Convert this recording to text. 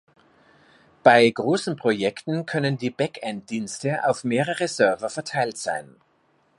Bei großen Projekten können die Backend-Dienste auf mehrere Server verteilt sein.